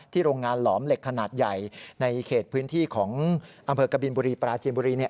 โรงงานหลอมเหล็กขนาดใหญ่ในเขตพื้นที่ของอำเภอกบินบุรีปราจีนบุรีเนี่ย